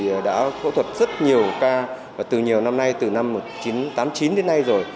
hội phẫu thuật nội cầy đã phẫu thuật rất nhiều ca và từ năm một nghìn chín trăm tám mươi chín đến nay rồi